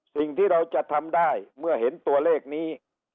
สิ่งที่เราจะทำได้เมื่อเห็นตัวเลขนี้